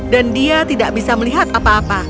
dan dia tidak bisa melihat apa apa